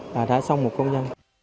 và đã xong một công dân